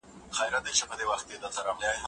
ایا ته د خپل لارښود له چلند څخه راضي یې؟